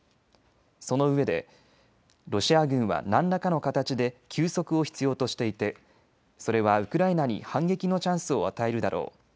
そのうえでロシア軍は何らかの形で休息を必要としていてそれはウクライナに反撃のチャンスを与えるだろう。